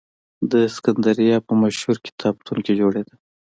د سکندریه په مشهور کتابتون کې جوړېده.